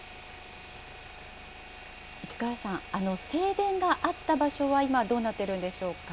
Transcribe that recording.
市川さん、正殿があった場所は今、どうなっているんでしょうか。